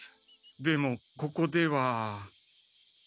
でもここでは。